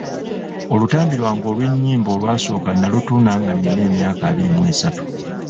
Olutambi lwange olw'ennyimba olwasooka nalutunda nga nnina emyaka abiri mu esatu.